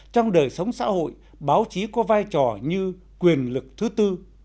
trong đời sống xã hội báo chí có vai trò như quyền lực thứ tư